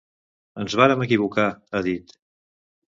Ens vàrem equivocar, ha dit.